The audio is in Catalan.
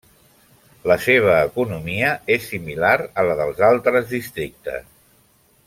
La seva economia és similar a la dels altres districtes.